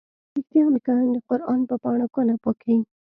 په رښتيا امريکايان د قران په پاڼو كونه پاكيي؟